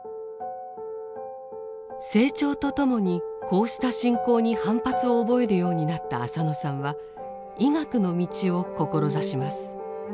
成長とともにこうした信仰に反発を覚えるようになった浅野さんは医学の道を志します。